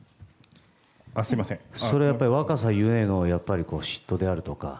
それは若さゆえの嫉妬であるとか。